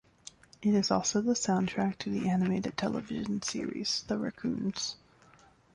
It is also the soundtrack to the animated television series, "The Raccoons".